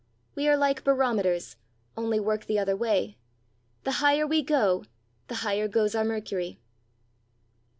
We are like barometers, only work the other way; the higher we go, the higher goes our mercury.